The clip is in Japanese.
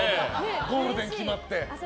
ゴールデン決まって。